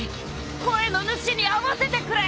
声の主に会わせてくれ！